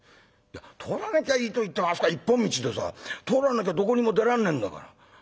「いや通らなきゃいいと言ってもあそこは一本道でさ通らなきゃどこにも出らんねえんだから」。